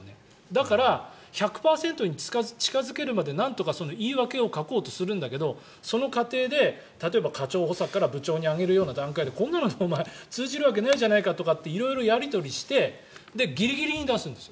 だから、１００％に近付けるまでなんとか言い訳を書こうとするんだけどその過程で、例えば課長補佐から部長に上げるような段階でこんなのお前、通じるわけないじゃないかとかって色々やり取りしてギリギリに出すんです。